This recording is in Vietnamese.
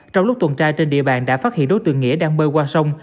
trong lúc tuần tra trên địa bàn đã phát hiện đối tượng nghĩa đang bơi qua sông